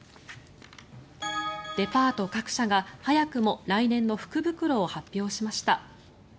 デパート各社が早くも来年の福袋を発表しました。